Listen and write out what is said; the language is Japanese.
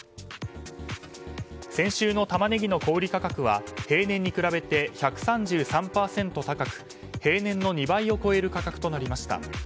先週のタマネギの小売価格は平年に比べて１３３％高く平年の２倍を超える価格となりました。